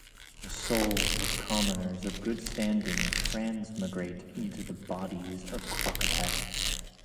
The souls of commoners of good standing transmigrate into the bodies of crocodiles.